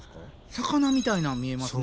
魚みたいなん見えますね。